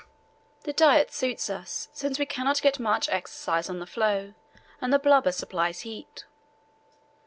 The diet suits us, since we cannot get much exercise on the floe and the blubber supplies heat.